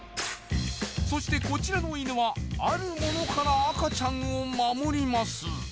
そしてこちらの犬はあるものから赤ちゃんを守ります